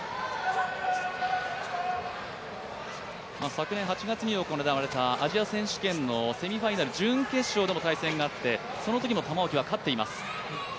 昨年８月に行われたアジア選手権の準決勝でも対戦があってそのときも玉置は勝っています。